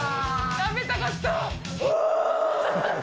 食べたかった。